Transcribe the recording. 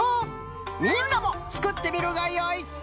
みんなもつくってみるがよい。